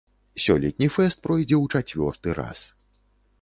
Сёлетні фэст пройдзе ў чацвёрты раз.